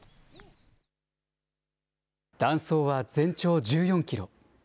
断層は全長１４キロ。